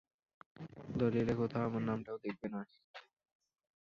দলীলে কোথাও আমার নামটাও দেখবেন না!